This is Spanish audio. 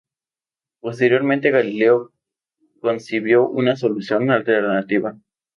Posteriormente Galileo concibió una solución alternativa.